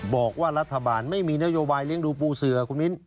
บอกว่ารัฐบาลไม่มีนโยบายเลี้ยงดูปูเสือคุณมิ้น